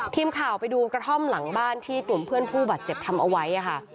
ทีมข่าวไปดูกระท่อมหลังบ้านที่กลุ่มเพื่อนผู้บาดเจ็บทำเอาไว้ค่ะ